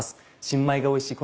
新米がおいしい